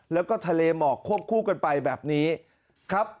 แล้วก็ทะเลหมอกควบคู่กันไปแบบนี้ครับ